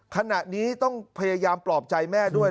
ขณะนี้ต้องพยายามปลอบใจแม่ด้วย